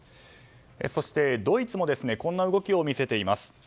そして、ドイツもこんな動きを見せています。